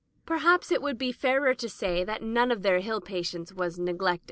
Perhaps it would be fairer to say that none of their Hill patients was neg lected.